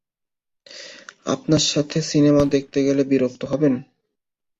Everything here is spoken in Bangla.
আপনার সাথে সিনেমা দেখতে গেলে বিরক্ত হবেন?